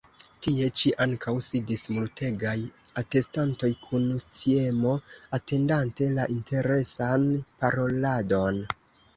Tie ĉi ankaŭ sidis multegaj atestantoj, kun sciemo atendante la interesan paroladon.